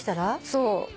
そう。